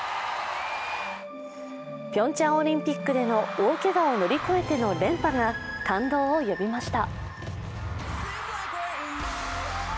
ピョンチャンオリンピックでの大けがを乗り越えての連覇が感動を呼びました。